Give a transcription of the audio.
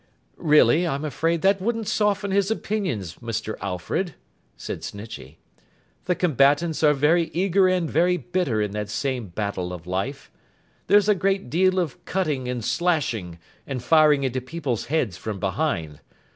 'Really, I'm afraid that wouldn't soften his opinions, Mr. Alfred,' said Snitchey. 'The combatants are very eager and very bitter in that same battle of Life. There's a great deal of cutting and slashing, and firing into people's heads from behind.